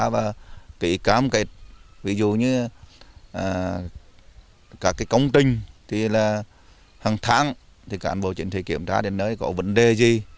ví dụ như các công trình thì là hàng tháng thì cản bộ chính trị kiểm tra đến nơi có vấn đề gì